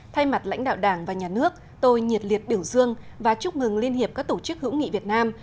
thay mặt lãnh đạo đảng và nhà nước tôi nhiệt liệt biểu dương và chúc mừng liên hiệp các tổ chức hữu nghị việt nam